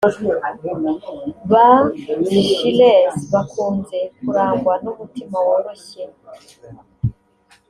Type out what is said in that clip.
Ba Gilles bakunze kurangwa n’umutima woroshye